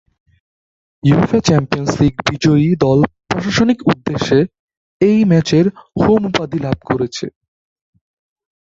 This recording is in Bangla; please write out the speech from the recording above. উয়েফা চ্যাম্পিয়নস লীগ বিজয়ী দল প্রশাসনিক উদ্দেশ্যে এই ম্যাচের "হোম" উপাধি লাভ করেছে।